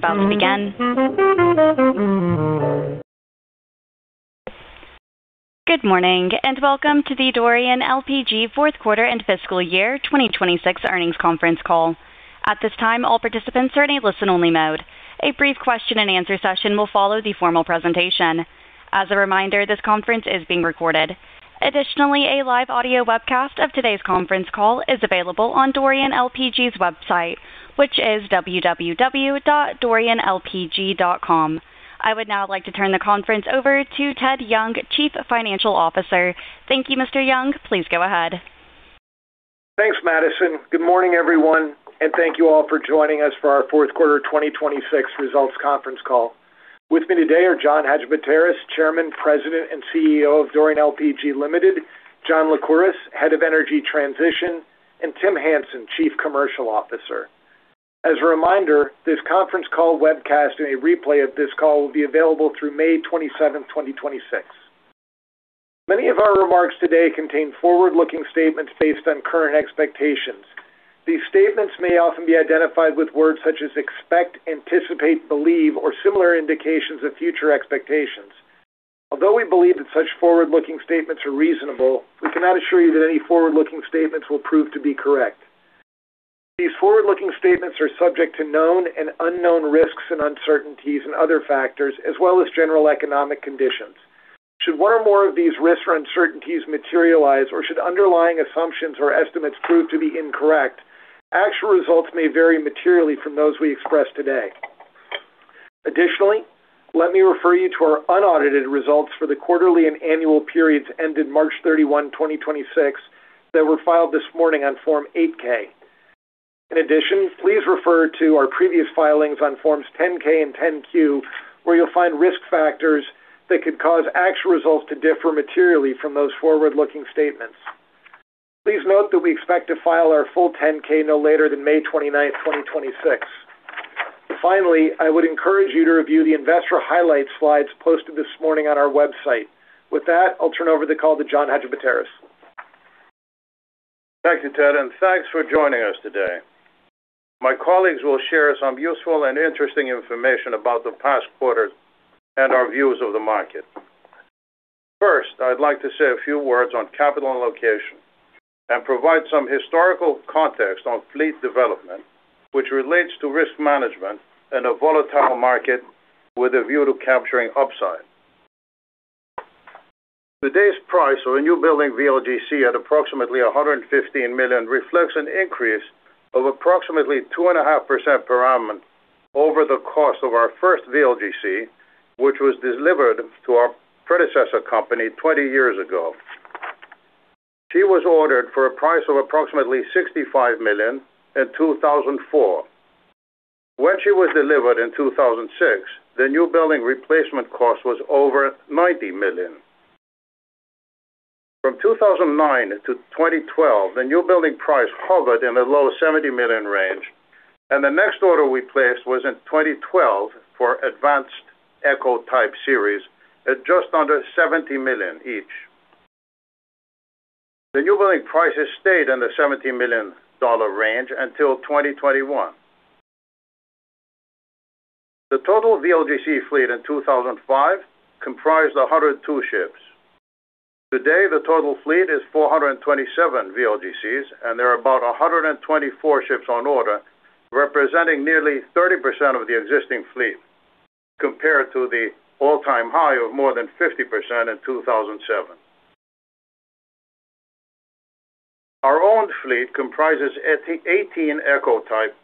Good morning, welcome to the Dorian LPG fourth quarter and fiscal year 2026 earnings conference call. At this time, all participants are in a listen-only mode. A brief question-and-answer session will follow the formal presentation. As a reminder, this conference is being recorded. Additionally, a live audio webcast of today's conference call is available on Dorian LPG's website, which is www.dorianlpg.com. I would now like to turn the conference over to Ted Young, Chief Financial Officer. Thank you, Mr. Young. Please go ahead. Thanks, Madison. Good morning, everyone. Thank you all for joining us for our fourth quarter 2026 results conference call. With me today are John Hadjipateras, Chairman, President, and CEO of Dorian LPG Limited, John Lycouris, Head of Energy Transition, and Tim Hansen, Chief Commercial Officer. As a reminder, this conference call webcast and a replay of this call will be available through May 27th, 2026. Many of our remarks today contain forward-looking statements based on current expectations. These statements may often be identified with words such as expect, anticipate, believe, or similar indications of future expectations. Although we believe that such forward-looking statements are reasonable, we cannot assure you that any forward-looking statements will prove to be correct. These forward-looking statements are subject to known and unknown risks and uncertainties and other factors, as well as general economic conditions. Should one or more of these risks or uncertainties materialize, or should underlying assumptions or estimates prove to be incorrect, actual results may vary materially from those we express today. Additionally, let me refer you to our unaudited results for the quarterly and annual periods ended March 31, 2026, that were filed this morning on Form 8-K. In addition, please refer to our previous filings on Forms 10-K and 10-Q, where you'll find risk factors that could cause actual results to differ materially from those forward-looking statements. Please note that we expect to file our full 10-K no later than May 29th, 2026. Finally, I would encourage you to review the investor highlights slides posted this morning on our website. With that, I'll turn over the call to John Hadjipateras. Thank you, Ted, and thanks for joining us today. My colleagues will share some useful and interesting information about the past quarters and our views of the market. First, I'd like to say a few words on capital allocation and provide some historical context on fleet development, which relates to risk management in a volatile market with a view to capturing upside. Today's price of a new building VLGC at approximately $115 million reflects an increase of approximately 2.5% per annum over the cost of our first VLGC, which was delivered to our predecessor company 20 years ago. She was ordered for a price of approximately $65 million in 2004. When she was delivered in 2006, the new building replacement cost was over $90 million. From 2009 to 2012, the new building price hovered in the low $70 million range. The next order we placed was in 2012 for advanced ECO type series at just under $70 million each. The new building prices stayed in the $70 million range until 2021. The total VLGC fleet in 2005 comprised 102 ships. Today, the total fleet is 427 VLGCs. There are about 124 ships on order, representing nearly 30% of the existing fleet, compared to the all-time high of more than 50% in 2007. Our owned fleet comprises 18 ECO type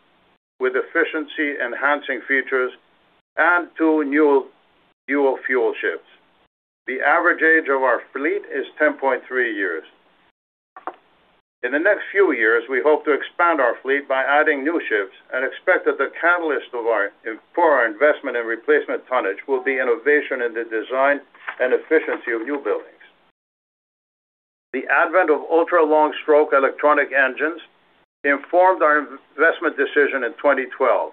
with efficiency-enhancing features and two new dual-fuel ships. The average age of our fleet is 10.3 years. In the next few years, we hope to expand our fleet by adding new ships and expect that the catalyst for our investment in replacement tonnage will be innovation in the design and efficiency of new buildings. The advent of ultra-long-stroke electronic engines informed our investment decision in 2012,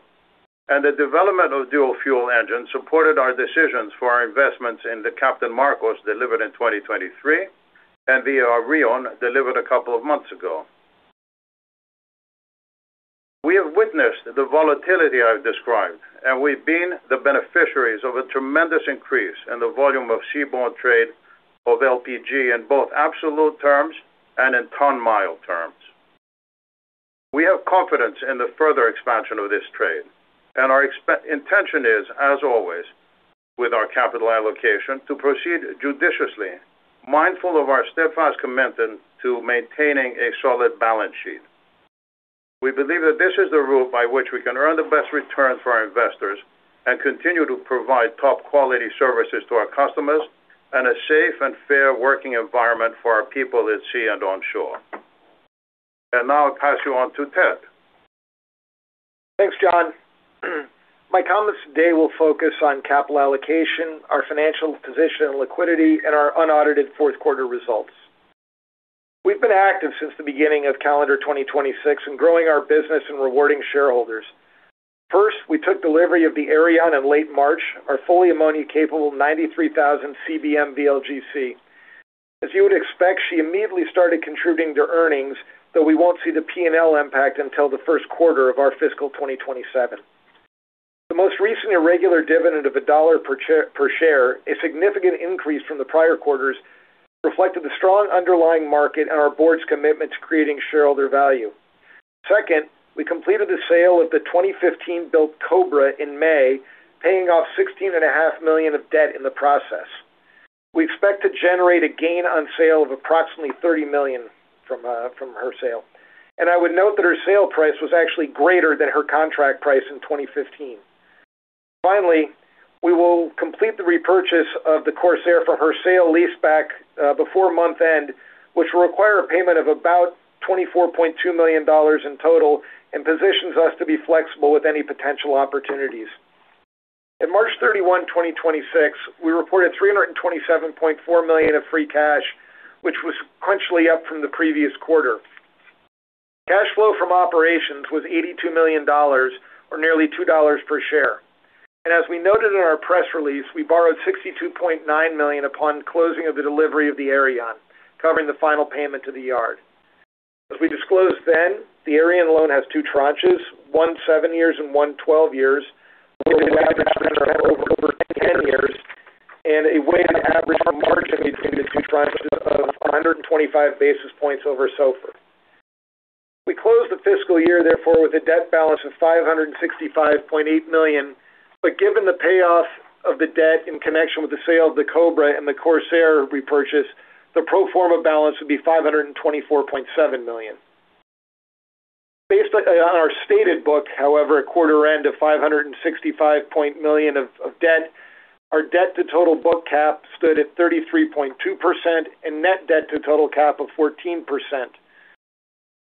and the development of dual-fuel engines supported our decisions for our investments in the Captain Markos delivered in 2023 and the Areion delivered a couple of months ago. We have witnessed the volatility I've described, and we've been the beneficiaries of a tremendous increase in the volume of seaborne trade of LPG in both absolute terms and in ton-mile terms. We have confidence in the further expansion of this trade, and our intention is, as always, with our capital allocation to proceed judiciously, mindful of our steadfast commitment to maintaining a solid balance sheet. We believe that this is the route by which we can earn the best return for our investors and continue to provide top-quality services to our customers and a safe and fair working environment for our people at sea and onshore. I'll now pass you on to Ted. Thanks, John. My comments today will focus on capital allocation, our financial position and liquidity, and our unaudited fourth quarter results. We've been active since the beginning of calendar 2026 in growing our business and rewarding shareholders. First, we took delivery of the Areion in late March, our fully ammonia-capable 93,000 cbm VLGC. As you would expect, she immediately started contributing to earnings, though we won't see the P&L impact until the first quarter of our fiscal 2027. The most recent irregular dividend of $1 per share, a significant increase from the prior quarters, reflected the strong underlying market and our board's commitment to creating shareholder value. Second, we completed the sale of the 2015-built Cobra in May, paying off $16.5 million of debt in the process. We expect to generate a gain on sale of approximately $30 million from her sale. I would note that her sale price was actually greater than her contract price in 2015. Finally, we will complete the repurchase of the Corsair for her sale leaseback before month-end, which will require a payment of about $24.2 million in total and positions us to be flexible with any potential opportunities. In March 31, 2026, we reported $327.4 million of free cash, which was sequentially up from the previous quarter. Cash flow from operations was $82 million, or nearly $2 per share. As we noted in our press release, we borrowed $62.9 million upon closing of the delivery of the Areion, covering the final payment to the yard. As we disclosed then, the Areion loan has two tranches, one seven years and one 12 years. Weighted average spread of over 10 years and a weighted average margin between the two tranches of 125 basis points over SOFR. We closed the fiscal year, therefore, with a debt balance of $565.8 million, but given the payoff of the debt in connection with the sale of the Cobra and the Corsair repurchase, the pro forma balance would be $524.7 million. Based on our stated book, however, at quarter end of $565 million of debt, our debt to total book cap stood at 33.2% and net debt to total cap of 14%.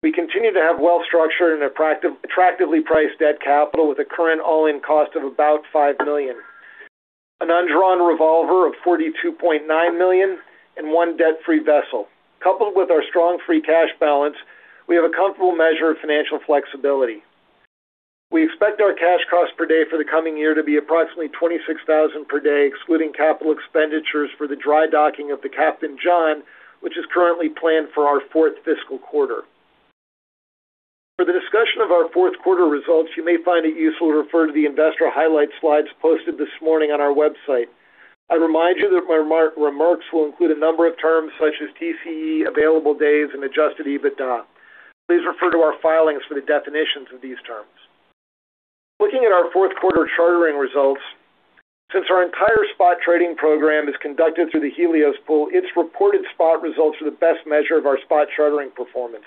We continue to have well-structured and attractively priced debt capital with a current all-in cost of about $5 million. An undrawn revolver of $42.9 million and one debt-free vessel. Coupled with our strong free cash balance, we have a comfortable measure of financial flexibility. We expect our cash cost per day for the coming year to be approximately $26,000 per day, excluding capital expenditures for the dry docking of the Captain John, which is currently planned for our fourth fiscal quarter. For the discussion of our fourth quarter results, you may find it useful to refer to the investor highlight slides posted this morning on our website. I remind you that my remarks will include a number of terms such as TCE, available days, and adjusted EBITDA. Please refer to our filings for the definitions of these terms. Looking at our fourth quarter chartering results, since our entire spot trading program is conducted through the Helios Pool, its reported spot results are the best measure of our spot chartering performance.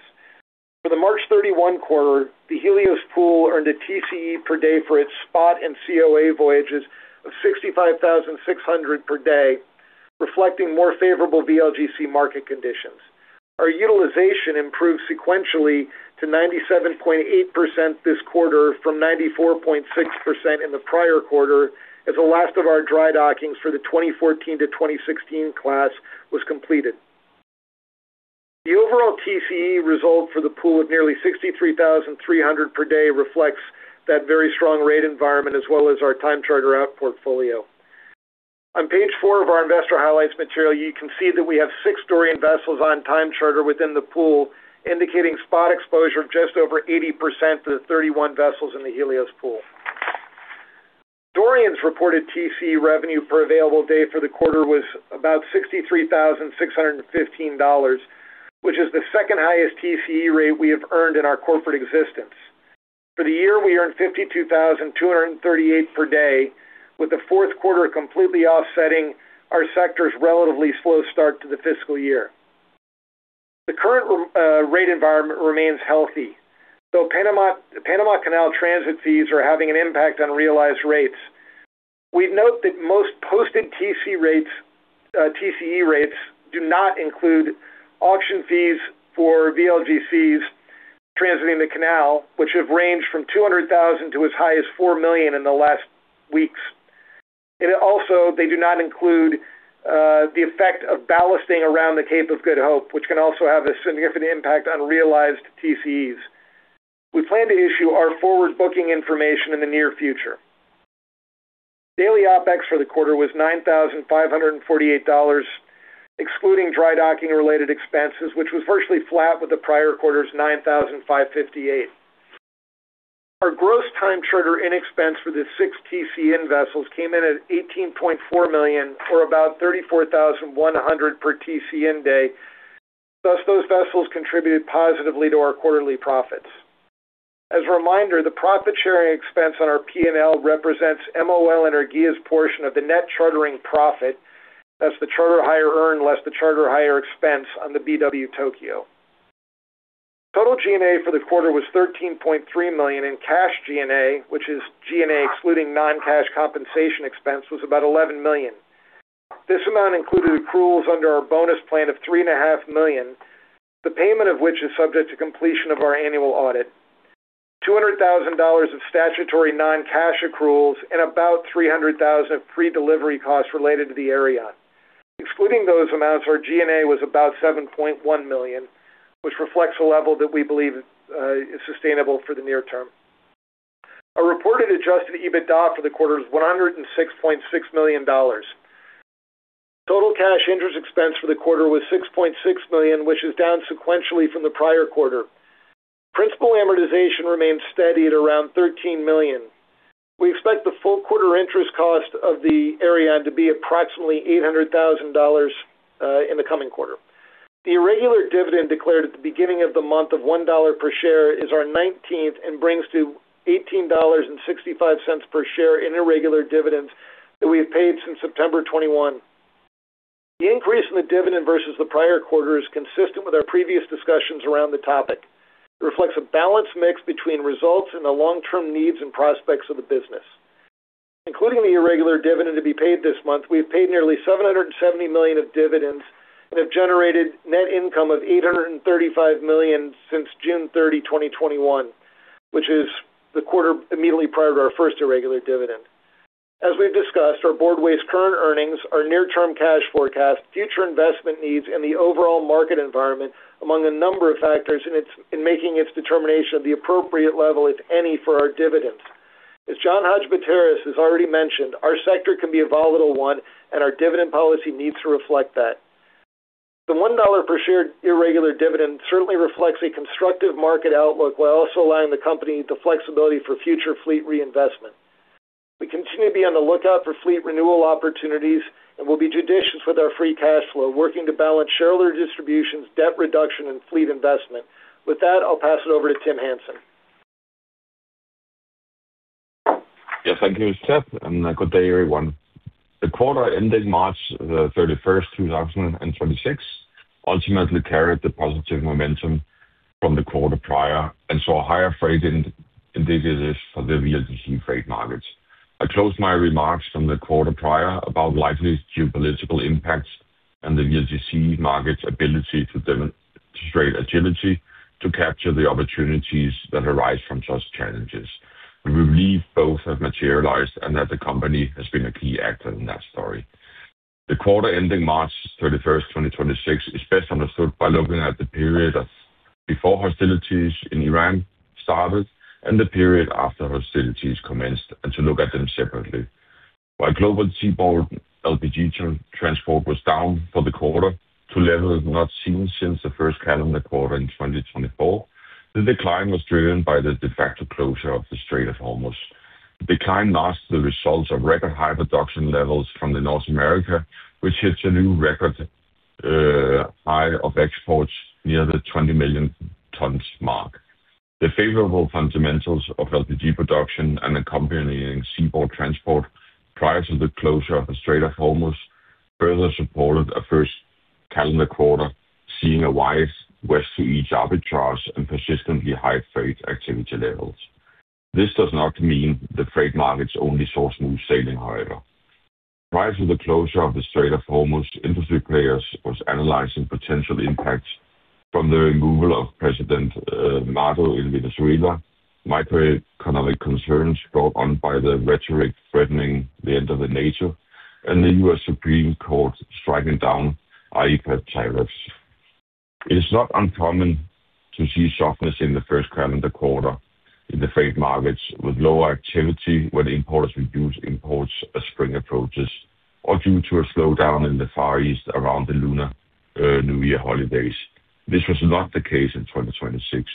For the March 31 quarter, the Helios Pool earned a TCE per day for its spot and COA voyages of $65,600 per day, reflecting more favorable VLGC market conditions. Our utilization improved sequentially to 97.8% this quarter from 94.6% in the prior quarter as the last of our dry dockings for the 2014 to 2016 class was completed. The overall TCE result for the pool of nearly $63,300 per day reflects that very strong rate environment as well as our time charter out portfolio. On page four of our investor highlights material, you can see that we have six Dorian vessels on time charter within the pool, indicating spot exposure of just over 80% to the 31 vessels in the Helios Pool. Dorian's reported TCE revenue per available day for the quarter was about $63,615, which is the second highest TCE rate we have earned in our corporate existence. For the year, we earned $52,238 per day, with the fourth quarter completely offsetting our sector's relatively slow start to the fiscal year. The current rate environment remains healthy, though Panama Canal transit fees are having an impact on realized rates. We'd note that most posted TCE rates do not include auction fees for VLGCs transiting the canal, which have ranged from $200,000 to as high as $4 million in the last weeks. Also, they do not include the effect of ballasting around the Cape of Good Hope, which can also have a significant impact on realized TCEs. We plan to issue our forward-booking information in the near future. Daily OpEx for the quarter was $9,548, excluding dry docking-related expenses, which was virtually flat with the prior quarter's $9,558. Our gross time charter in expense for the six TCE-in vessels came in at $18.4 million, or about $34,100 per TCE-in day. Those vessels contributed positively to our quarterly profits. As a reminder, the profit-sharing expense on our P&L represents MOL Energia's portion of the net chartering profit. That's the charter hire earn less the charter hire expense on the BW Tokyo. Total G&A for the quarter was $13.3 million, and cash G&A, which is G&A excluding non-cash compensation expense, was about $11 million. This amount included accruals under our bonus plan of $3.5 million, the payment of which is subject to completion of our annual audit. $200,000 of statutory non-cash accruals and about $300,000 of pre-delivery costs related to the Areion. Excluding those amounts, our G&A was about $7.1 million, which reflects a level that we believe is sustainable for the near term. Our reported adjusted EBITDA for the quarter is $106.6 million. Total cash interest expense for the quarter was $6.6 million, which is down sequentially from the prior quarter. Principal amortization remains steady at around $13 million. We expect the full quarter interest cost of the Areion to be approximately $800,000 in the coming quarter. The irregular dividend declared at the beginning of the month of $1 per share is our 19th and brings to $18.65 per share in irregular dividends that we have paid since September 21. The increase in the dividend versus the prior quarter is consistent with our previous discussions around the topic. It reflects a balanced mix between results and the long-term needs and prospects of the business. Including the irregular dividend to be paid this month, we've paid nearly $770 million of dividends and have generated net income of $835 million since June 30, 2021, which is the quarter immediately prior to our first irregular dividend. As we've discussed, our board weighs current earnings, our near-term cash forecast, future investment needs, and the overall market environment among a number of factors in making its determination of the appropriate level, if any, for our dividends. As John Hadjipateras has already mentioned, our sector can be a volatile one, and our dividend policy needs to reflect that. The $1 per share irregular dividend certainly reflects a constructive market outlook while also allowing the company the flexibility for future fleet reinvestment. We continue to be on the lookout for fleet renewal opportunities, and we'll be judicious with our free cash flow, working to balance shareholder distributions, debt reduction, and fleet investment. With that, I'll pass it over to Tim Hansen. Yes, thank you, Ted, and good day, everyone. The quarter ending March 31st, 2026, ultimately carried the positive momentum from the quarter prior, and saw higher freight indices for the VLGC freight markets. I closed my remarks from the quarter prior about likely geopolitical impacts and the VLGC market's ability to demonstrate agility to capture the opportunities that arise from such challenges. We believe both have materialized and that the company has been a key actor in that story. The quarter ending March 31st, 2026, is best understood by looking at the period before hostilities in Iran started and the period after hostilities commenced, and to look at them separately. While global seaborne LPG transport was down for the quarter to levels not seen since the first calendar quarter in 2024, the decline was driven by the de facto closure of the Strait of Hormuz. The decline masks the results of record high production levels from the North America, which hits a new record high of exports near the 20 million tons mark. The favorable fundamentals of LPG production and accompanying seaborne transport prior to the closure of the Strait of Hormuz further supported a first calendar quarter, seeing a wide West to East arbitrage and persistently high freight activity levels. This does not mean the freight markets only saw smooth sailing, however. Prior to the closure of the Strait of Hormuz, industry players was analyzing potential impacts from the removal of President Maduro in Venezuela, macroeconomic concerns brought on by the rhetoric threatening the end of the nation, and the U.S. Supreme Court striking down IEEPA tariffs. It is not uncommon to see softness in the first calendar quarter in the freight markets with lower activity when importers reduce imports as spring approaches or due to a slowdown in the Far East around the Lunar New Year holidays. This was not the case in 2026.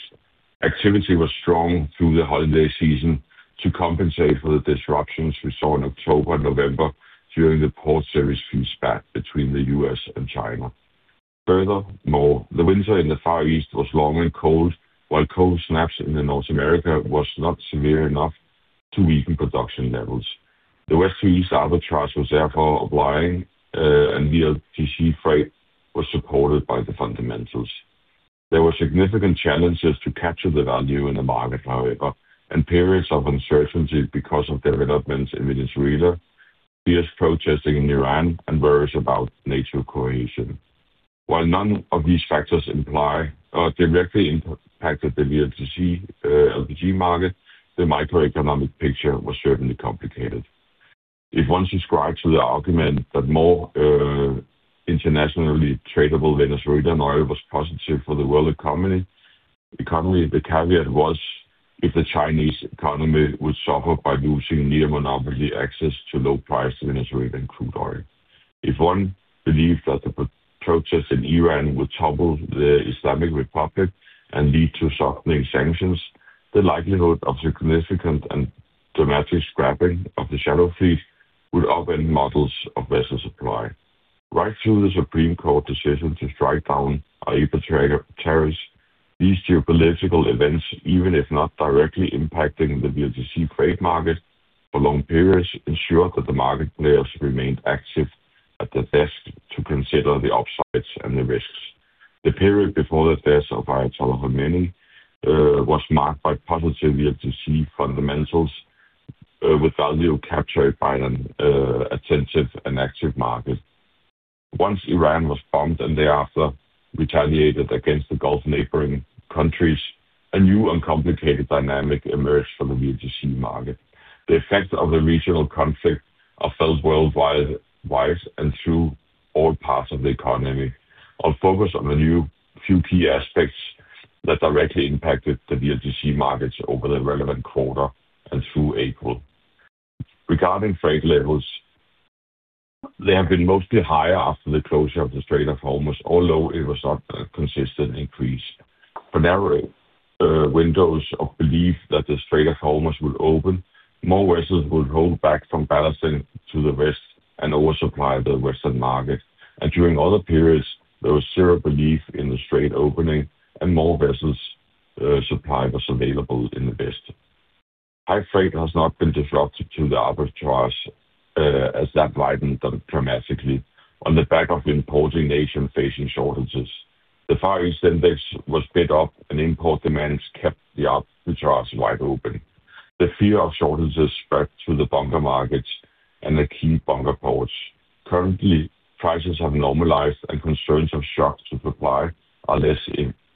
Activity was strong through the holiday season to compensate for the disruptions we saw in October and November during the port service fees spat between the U.S. and China. The winter in the Far East was long and cold, while cold snaps in the North America was not severe enough to weaken production levels. The West to East arbitrage was therefore applying, and VLGC freight was supported by the fundamentals. There were significant challenges to capture the value in the market, however, and periods of uncertainty because of developments in Venezuela, fierce protesting in Iran, and worries about nation cohesion. While none of these factors directly impacted the VLGC LPG market, the macroeconomic picture was certainly complicated. If one subscribes to the argument that more internationally tradable Venezuelan oil was positive for the world economy, the caveat was if the Chinese economy would suffer by losing near monopoly access to low price Venezuelan crude oil. If one believed that the protests in Iran would topple the Islamic Republic and lead to softening sanctions, the likelihood of significant and dramatic scrapping of the shadow fleet would upend models of vessel supply. Right through the Supreme Court decision to strike down April tariffs, these geopolitical events, even if not directly impacting the VLGC freight market for long periods, ensured that the market players remained active at the desk to consider the upsides and the risks. The period before the death of Ayatollah Khomeini was marked by positive VLGC fundamentals with value captured by an attentive and active market. Once Iran was bombed and thereafter retaliated against the Gulf neighboring countries, a new and complicated dynamic emerged for the VLGC market. The effects of the regional conflict are felt worldwide and through all parts of the economy. I'll focus on a few key aspects that directly impacted the VLGC markets over the relevant quarter and through April. Regarding freight levels, they have been mostly higher after the closure of the Strait of Hormuz, although it was not a consistent increase. For narrow windows of belief that the Strait of Hormuz would open, more vessels would hold back from balancing to the West and oversupply the Western market. During other periods, there was zero belief in the strait opening and more vessels supply was available in the West. High freight has not been disruptive to the arbitrage as that widened dramatically on the back of importing nations facing shortages. The Far East index was bid up and import demands kept the arbitrage wide open. The fear of shortages spread to the bunker markets and the key bunker ports. Currently, prices have normalized and concerns of shocks to supply are less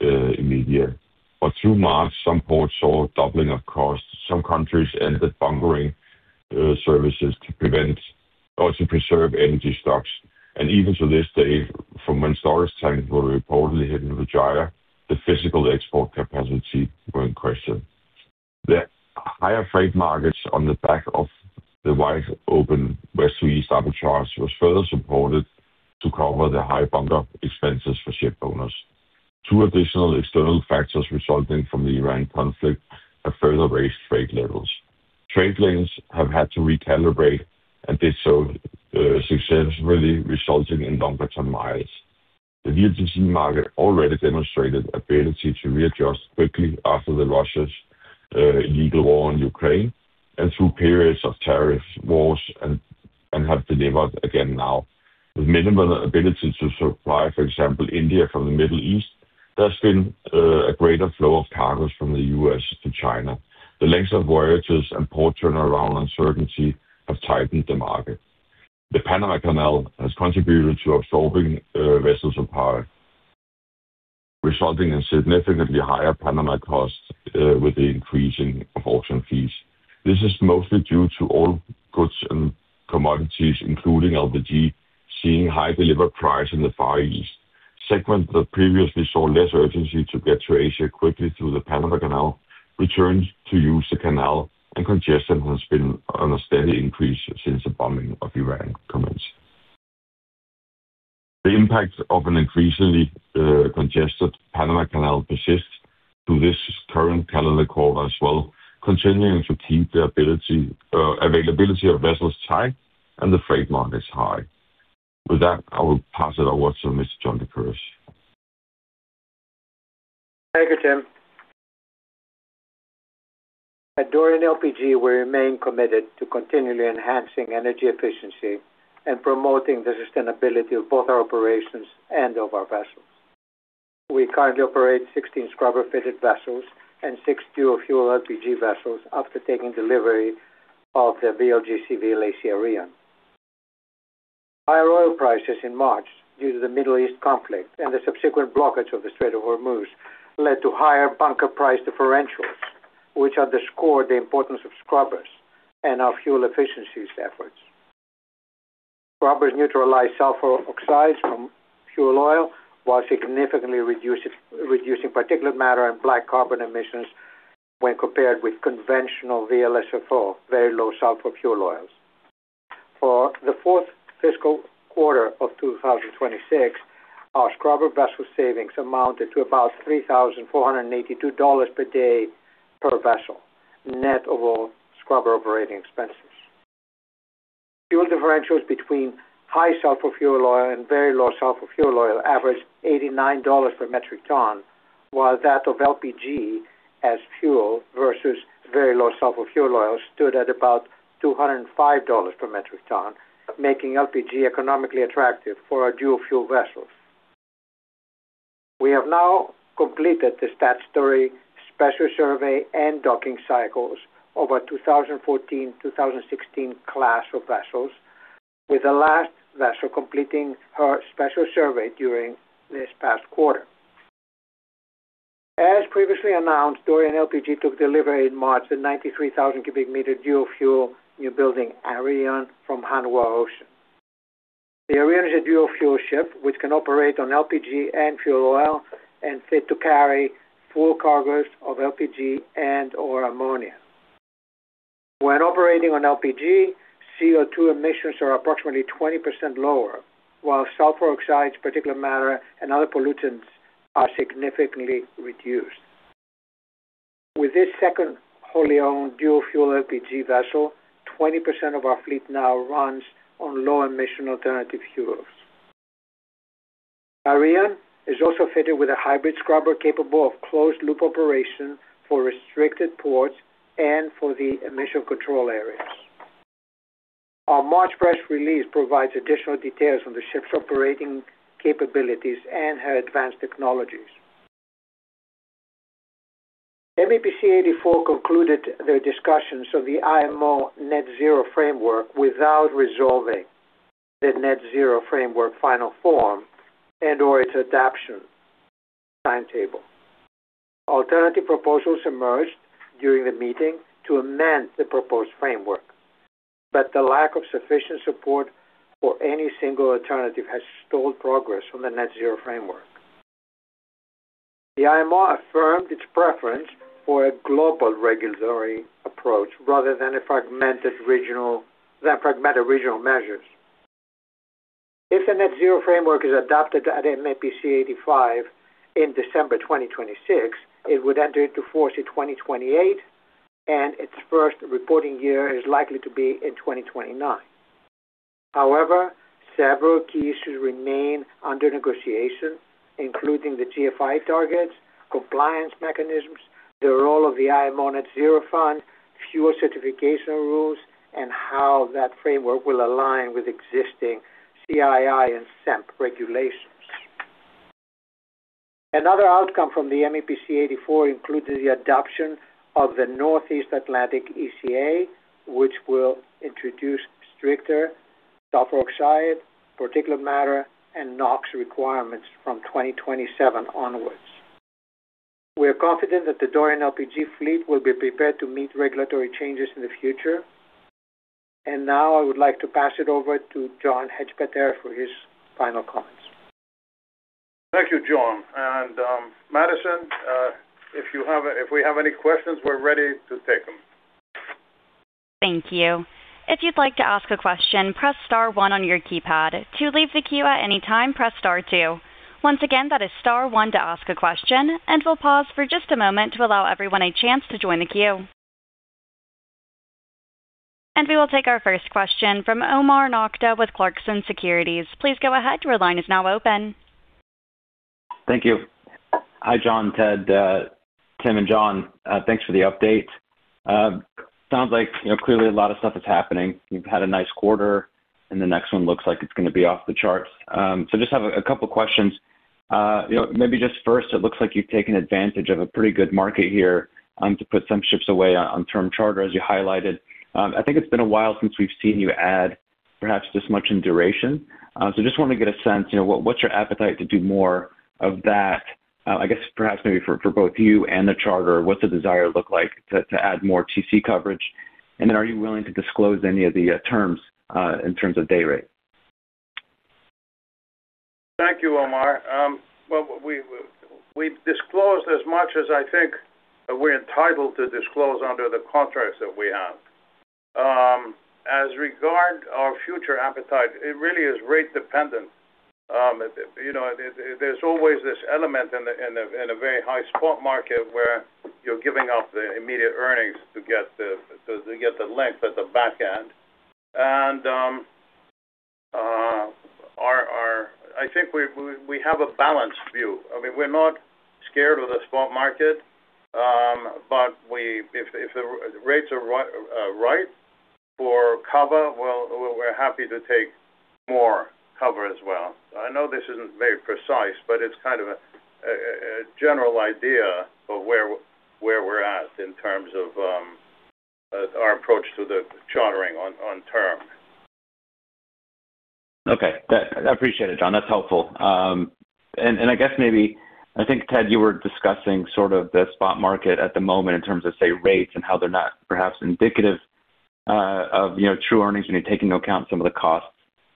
immediate. Through March, some ports saw a doubling of costs. Some countries ended bunkering services to prevent or to preserve energy stocks. Even to this day, from when storage tanks were reportedly hit in Jeddah, the physical export capacity were in question. The higher freight markets on the back of the wide-open West to East arbitrage was further supported to cover the high bunker expenses for shipowners. Two additional external factors resulting from the Iran conflict have further raised freight levels. Trade lanes have had to recalibrate and did so successfully, resulting in longer ton-miles. The VLGC market already demonstrated ability to readjust quickly after the Russia's illegal war on Ukraine and through periods of tariff wars and have delivered again now. With minimal ability to supply, for example, India from the Middle East, there's been a greater flow of cargoes from the U.S. to China. The lengths of voyages and port turnaround uncertainty have tightened the market. The Panama Canal has contributed to absorbing vessels apart, resulting in significantly higher Panama costs with the increase in port fees. This is mostly due to all goods and commodities, including LPG, seeing high delivered price in the Far East. Segments that previously saw less urgency to get to Asia quickly through the Panama Canal returned to use the canal, and congestion has been on a steady increase since the bombing of Iran commenced. The impact of an increasingly congested Panama Canal persists through this current calendar quarter as well, continuing to keep the availability of vessels tight and the freight markets high. With that, I will pass it over to Mr. John Lycouris. Thank you, Tim. At Dorian LPG, we remain committed to continually enhancing energy efficiency and promoting the sustainability of both our operations and of our vessels. We currently operate 16 scrubber-fitted vessels and six dual-fuel LPG vessels after taking delivery of the VLGC/VLAC Areion. Higher oil prices in March due to the Middle East conflict and the subsequent blockage of the Strait of Hormuz led to higher bunker price differentials, which underscore the importance of scrubbers and our fuel efficiencies efforts. Scrubbers neutralize sulfur oxides from fuel oil while significantly reducing particulate matter and black carbon emissions when compared with conventional VLSFO, very low sulfur fuel oils. For the fourth fiscal quarter of 2026, our scrubber vessel savings amounted to about $3,482 per day per vessel, net of all scrubber operating expenses. Fuel differentials between high sulfur fuel oil and very low sulfur fuel oil averaged $89 per metric ton, while that of LPG as fuel versus very low sulfur fuel oil stood at about $205 per metric ton, making LPG economically attractive for our dual-fuel vessels. We have now completed the statutory special survey and docking cycles of our 2014, 2016 class of vessels, with the last vessel completing her special survey during this past quarter. As previously announced, Dorian LPG took delivery in March, the 93,000 cbm dual-fuel new building, Areion, from Hanwha Ocean. The Areion is a dual-fuel ship, which can operate on LPG and fuel oil and fit to carry full cargoes of LPG and/or ammonia. When operating on LPG, CO2 emissions are approximately 20% lower, while sulfur oxides, particulate matter, and other pollutants are significantly reduced. With this second wholly owned dual-fuel LPG vessel, 20% of our fleet now runs on low-emission alternative fuels. Areion is also fitted with a hybrid scrubber capable of closed-loop operation for restricted ports and for the emission control areas. Our March press release provides additional details on the ship's operating capabilities and her advanced technologies. MEPC 84 concluded their discussions of the IMO Net-Zero Framework without resolving the Net-Zero Framework final form and/or its adoption timetable. Alternative proposals emerged during the meeting to amend the proposed framework. The lack of sufficient support for any single alternative has stalled progress on the Net-Zero Framework. The IMO affirmed its preference for a global regulatory approach rather than fragmented regional measures. If the Net-Zero Framework is adopted at MEPC 85 in December 2026, it would enter into force in 2028, and its first reporting year is likely to be in 2029. However, several key issues remain under negotiation, including the GFI targets, compliance mechanisms, the role of the IMO Net-Zero Fund, fuel certification rules, and how that framework will align with existing CII and SEEMP regulations. Another outcome from the MEPC 84 included the adoption of the Northeast Atlantic ECA, which will introduce stricter sulfur oxide, particulate matter, and NOx requirements from 2027 onwards. We are confident that the Dorian LPG fleet will be prepared to meet regulatory changes in the future. Now I would like to pass it over to John Hadjipateras for his final comments. Thank you, John. Madison, if we have any questions, we're ready to take them. Thank you. If you'd like to ask a question, press star one on your keypad. To leave the queue at any time, press star two. Once again, that is star one to ask a question, and we'll pause for just a moment to allow everyone a chance to join the queue. We will take our first question from Omar Nokta with Clarksons Securities. Please go ahead. Your line is now open. Thank you. Hi, John, Ted, Tim, and John. Thanks for the update. Sounds like clearly a lot of stuff is happening. You've had a nice quarter, and the next one looks like it's going to be off the charts. Just have a couple of questions. Maybe just first, it looks like you've taken advantage of a pretty good market here, to put some ships away on term charter, as you highlighted. I think it's been a while since we've seen you add perhaps this much in duration. Just want to get a sense, what's your appetite to do more of that? I guess perhaps maybe for both you and the charter, what's the desire look like to add more TC coverage? Are you willing to disclose any of the terms in terms of day rate? Thank you, Omar. We've disclosed as much as I think we're entitled to disclose under the contracts that we have. As regards our future appetite, it really is rate dependent. There's always this element in a very high spot market where you're giving up the immediate earnings to get the length at the back end. I think we have a balanced view. I mean, we're not scared of the spot market, but if the rates are right for cover, well, we're happy to take more cover as well. I know this isn't very precise, but it's kind of a general idea of where we're at in terms of our approach to the chartering on term. Okay. I appreciate it, John. That's helpful. And I guess maybe, I think, Ted, you were discussing sort of the spot market at the moment in terms of, say, rates and how they're not perhaps indicative of true earnings when you take into account some of the costs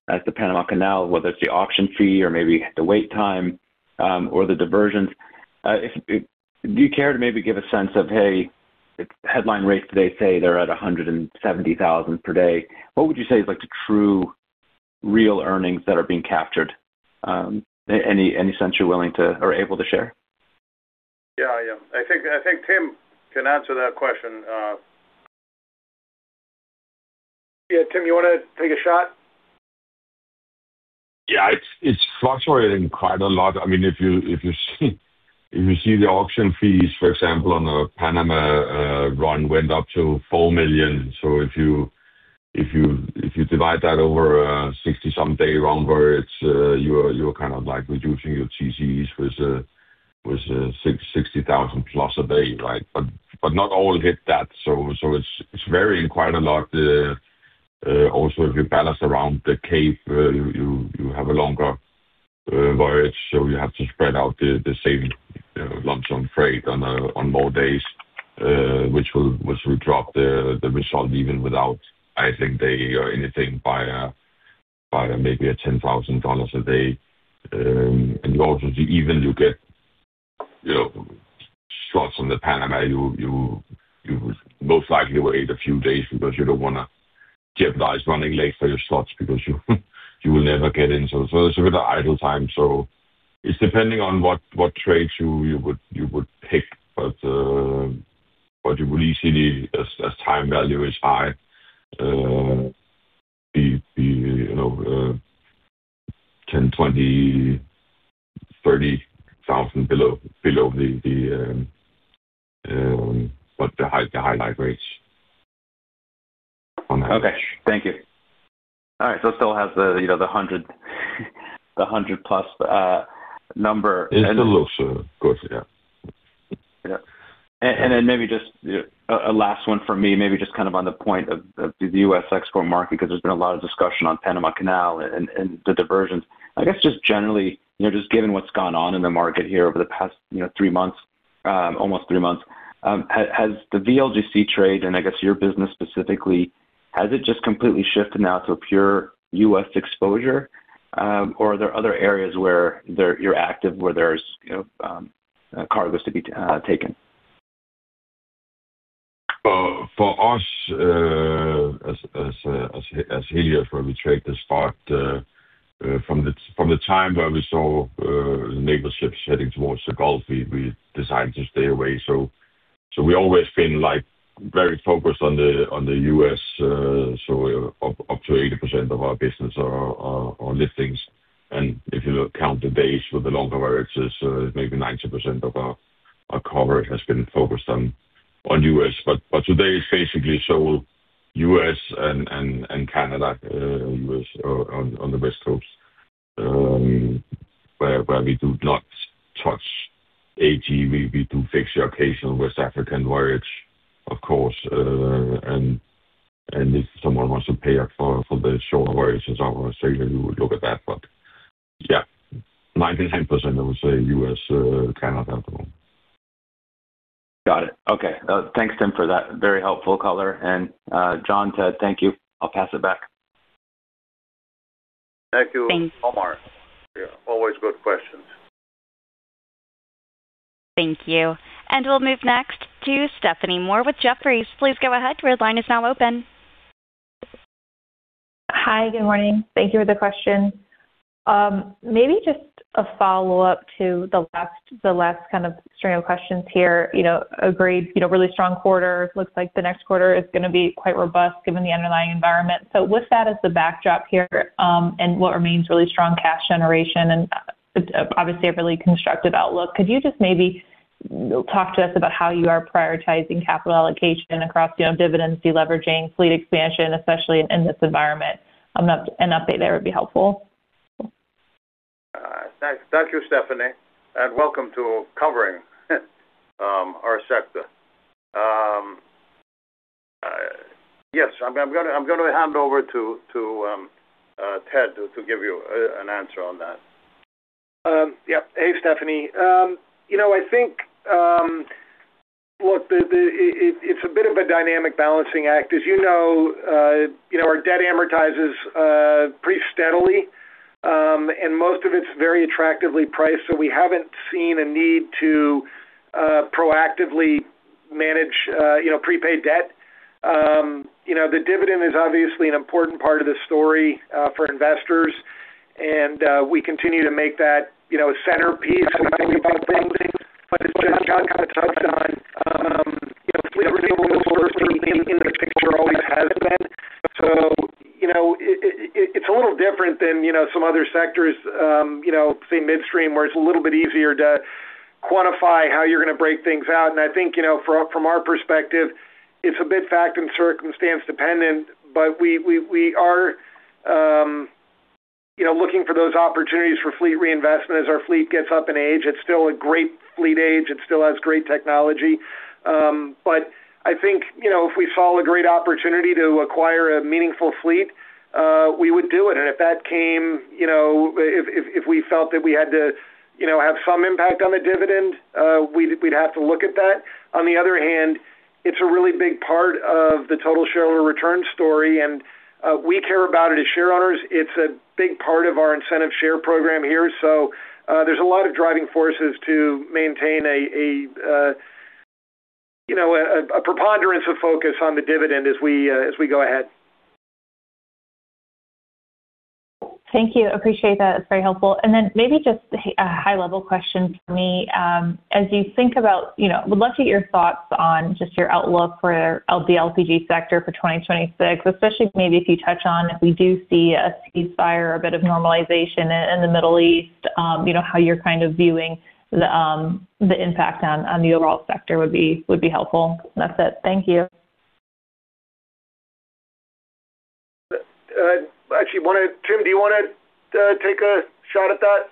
at the Panama Canal, whether it's the auction fee or maybe the wait time or the diversions. Do you care to maybe give a sense of, hey, if headline rates today, say, they're at $170,000 per day, what would you say is the true real earnings that are being captured? Any sense you're willing to or able to share? Yeah, I am. I think Tim can answer that question. Yeah, Tim, you want to take a shot? It's fluctuating quite a lot. If you see the auction fees, for example, on a Panama run went up to $4 million. If you divide that over a 60-some-day run where you are kind of reducing your TCEs with a 60,000+ a day, right? Not all hit that, so it's varying quite a lot. If you ballast around the Cape, you have a longer voyage so you have to spread out the same lumps of freight on more days which will drop the result even without, I think, anything by maybe $10,000 a day. Even you get shots on the Panama, you most likely wait a few days because you don't want to jeopardize running late for your slots because you will never get in. It's a bit of idle time. It's depending on what trades you would pick, but you will easily, as time value is high be $10,000, $20,000, $30,000 below the highlight rates on average. Okay. Thank you. All right. It still has the 100+ number. It's still low, of course, yeah. Yeah. Maybe just a last one from me, maybe just kind of on the point of the U.S. export market, because there's been a lot of discussion on Panama Canal and the diversions. I guess just generally, just given what's gone on in the market here over the past almost three months, has the VLGC trade, and I guess your business specifically, has it just completely shifted now to a pure U.S. exposure? Or are there other areas where you're active where there's cargoes to be taken? For us, as Helios, where we trade the spot, from the time where we saw the neighbor ships heading towards the Gulf, we decided to stay away. We've always been very focused on the U.S., so up to 80% of our business or our liftings, and if you count the days with the longer voyages, maybe 90% of our coverage has been focused on U.S. Today it's basically sole U.S. and Canada, U.S. on the West Coast, where we do not touch AG. We do fix the occasional West African voyage, of course. If someone wants to pay up for the shorter voyages out of Australia, we would look at that. Yeah, 90%, 10%, I would say U.S., Canada. Got it. Okay. Thanks, Tim, for that very helpful color. John, Ted, thank you. I'll pass it back. Thank you, Omar. Thanks. Yeah, always good questions. Thank you. We'll move next to Stephanie Moore with Jefferies. Please go ahead. Your line is now open. Hi, good morning. Thank you for the question. Maybe just a follow-up to the last kind of string of questions here. Agreed, really strong quarter. Looks like the next quarter is going to be quite robust given the underlying environment. With that as the backdrop here, and what remains really strong cash generation and obviously a really constructive outlook, could you just maybe talk to us about how you are prioritizing capital allocation across dividend de-leveraging, fleet expansion, especially in this environment? An update there would be helpful. Thanks. Thank you, Stephanie, and welcome to covering our sector. Yes, I'm going to hand over to Ted to give you an answer on that. Hey, Stephanie. I think, look, it's a bit of a dynamic balancing act. As you know, our debt amortizes pretty steadily, and most of it's very attractively priced. We haven't seen a need to proactively manage prepaid debt. The dividend is obviously an important part of the story for investors. We continue to make that a centerpiece as we think about funding. As John kind of touched on, fleet reinvestment is certainly in the picture, always has been. It's a little different than some other sectors, say midstream, where it's a little bit easier to quantify how you're going to break things out. I think from our perspective, it's a bit fact and circumstance dependent. We are looking for those opportunities for fleet reinvestment as our fleet gets up in age. It's still a great fleet age. It still has great technology. I think if we saw a great opportunity to acquire a meaningful fleet, we would do it. If we felt that we had to have some impact on the dividend, we'd have to look at that. On the other hand, it's a really big part of the total shareholder return story, and we care about it as share owners. It's a big part of our incentive share program here. There's a lot of driving forces to maintain a preponderance of focus on the dividend as we go ahead. Thank you. Appreciate that. It's very helpful. Maybe just a high-level question from me. Would love to get your thoughts on just your outlook for the LPG sector for 2026, especially maybe if you touch on if we do see a ceasefire or a bit of normalization in the Middle East, how you're kind of viewing the impact on the overall sector would be helpful. That's it. Thank you. Actually, Tim, do you want to take a shot at that?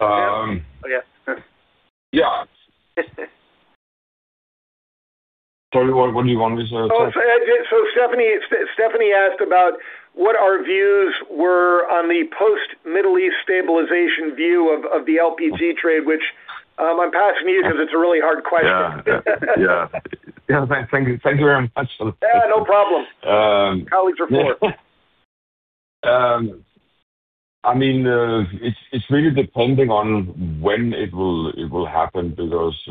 Yeah. Oh, yeah. Yeah. Sorry, what do you want me to talk? Stephanie asked about what our views were on the post-Middle East stabilization view of the LPG trade, which I'm passing to you because it's a really hard question. Yeah. Thank you very much. Yeah, no problem. Colleagues are for. It's really depending on when it will happen because,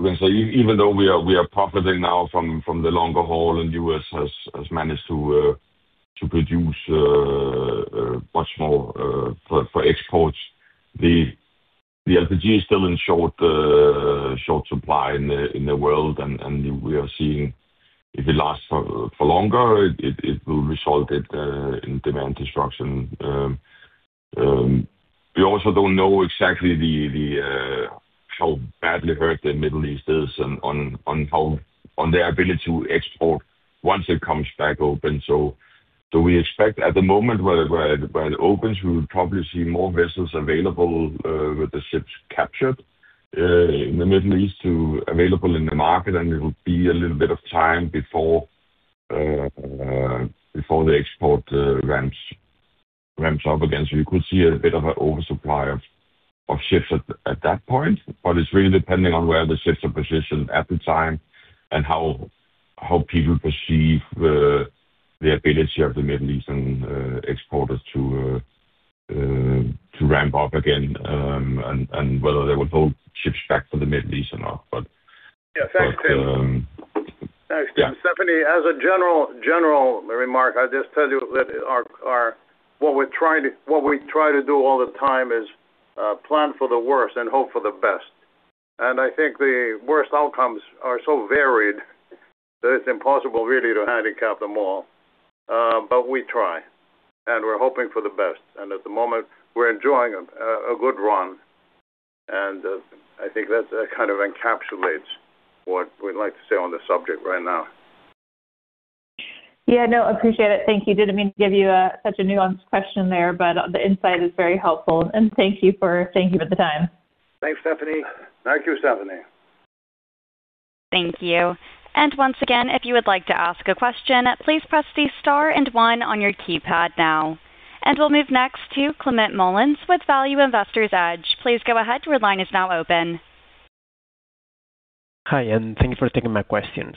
even though we are profiting now from the longer haul and U.S. has managed to produce much more for exports, the LPG is still in short supply in the world. We are seeing if it lasts for longer, it will result in demand destruction. We also don't know exactly how badly hurt the Middle East is on their ability to export once it comes back open. We expect at the moment when it opens, we will probably see more vessels available with the ships captured in the Middle East available in the market, and it will be a little bit of time before the export ramps up again. You could see a bit of an oversupply of ships at that point, but it's really depending on where the ships are positioned at the time and how people perceive the ability of the Middle Eastern exporters to ramp up again and whether they will hold ships back from the Middle East or not. Yeah. Thanks, Tim. Yeah. Stephanie, as a general remark, I just tell you that what we try to do all the time is plan for the worst and hope for the best. I think the worst outcomes are so varied that it's impossible really to handicap them all. We try, and we're hoping for the best. At the moment, we're enjoying a good run, and I think that kind of encapsulates what we'd like to say on the subject right now. Yeah, no, appreciate it. Thank you. Didn't mean to give you such a nuanced question there. The insight is very helpful. Thank you for the time. Thanks, Stephanie. Thank you, Stephanie. Thank you. Once again, if you would like to ask a question, please press the star and one on your keypad now. We'll move next to Climent Molins with Value Investor's Edge. Please go ahead, your line is now open. Hi. Thank you for taking my questions.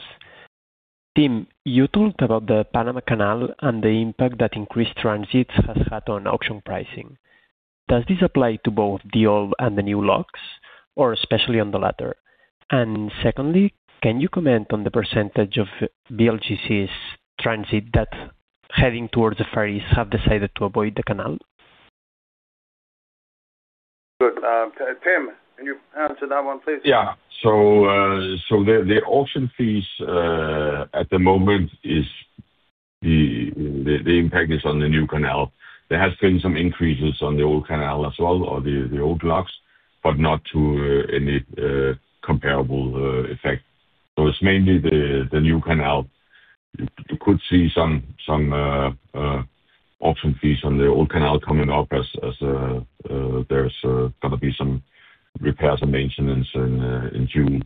Tim, you talked about the Panama Canal and the impact that increased transits has had on auction pricing. Does this apply to both the old and the new locks, or especially on the latter? Secondly, can you comment on the percentage of VLGCs transit that heading towards the Far East have decided to avoid the canal? Good. Tim, can you answer that one, please? Yeah. The auction fees at the moment, the impact is on the new canal. There has been some increases on the old canal as well or the old locks, not to any comparable effect. It's mainly the new canal. You could see some auction fees on the old canal coming up as there's going to be some repairs and maintenance in June,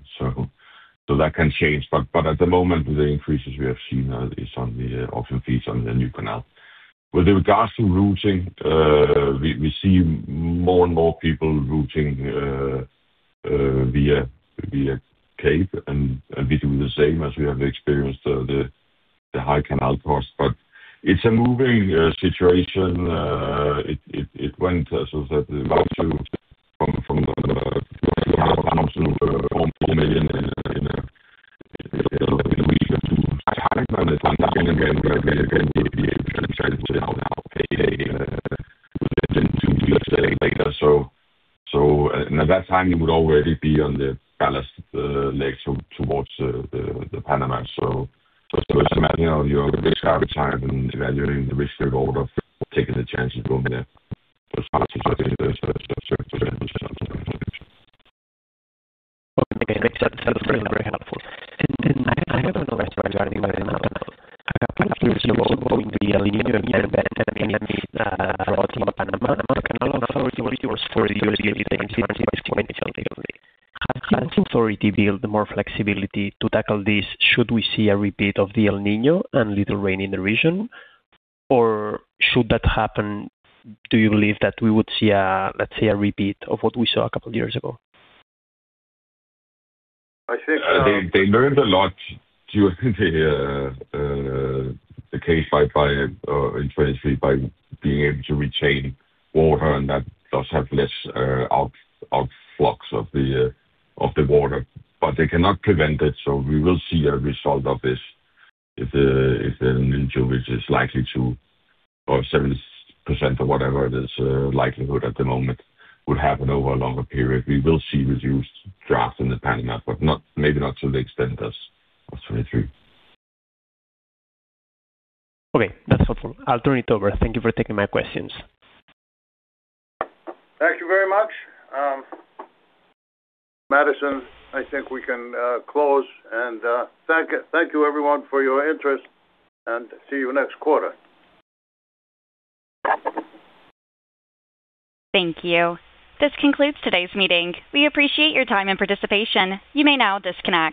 that can change. At the moment, the increases we have seen is on the auction fees on the new canal. With regards to routing, we see more and more people routing via Cape, we do the same as we have experienced the high canal cost. It's a moving situation. It went so that the value from the canal down to almost $1 million in a week or two. Again, we can change it now later. At that time, you would already be on the ballast leg towards the Panama. Just imagine your risk appetite when evaluating the risk/reward of taking the chance and going via Cape. Okay, that was very helpful. I have another question regarding Panama Canal. A couple of years ago, we had the El Niño event and it made a lot of Panama Canal Authority build more flexibility to tackle this. Have Canal Authority built more flexibility to tackle this should we see a repeat of the El Niño and little rain in the region? Should that happen, do you believe that we would see a repeat of what we saw a couple of years ago? I think- They learned a lot during the Cape in 2023 by being able to retain water, and that does have less outflux of the water, but they cannot prevent it. We will see a result of this if El Niño, which is likely to, or 7% or whatever it is likelihood at the moment, would happen over a longer period. We will see reduced draft in the Panama, maybe not to the extent as of 2023. Okay. That's helpful. I'll turn it over. Thank you for taking my questions. Thank you very much. Madison, I think we can close. Thank you everyone for your interest, and see you next quarter. Thank you. This concludes today's meeting. We appreciate your time and participation. You may now disconnect.